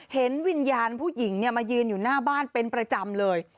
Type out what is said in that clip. เห็นวิญญาณผู้หญิงมายืนอยู่หน้าบ้านเป็นประจำเลย